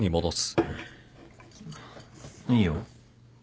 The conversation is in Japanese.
いいよ。